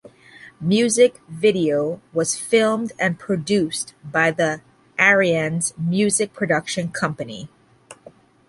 Music Video was filmed and produced by the Aryans Music production company.